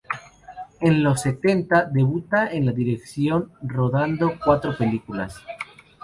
En los setenta debuta en la dirección, rodando cuatro películas.